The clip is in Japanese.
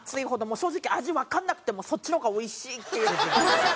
正直味わかんなくてもそっちの方がおいしいっていう。